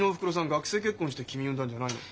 学生結婚して君産んだんじゃないの？